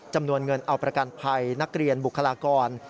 จำนวนเงินเอาประกันภัยนักเรียนบุคลากร